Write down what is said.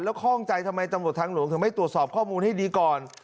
ข้องใจทำไมตำรวจทางหลวงถึงไม่ตรวจสอบข้อมูลให้ดีก่อน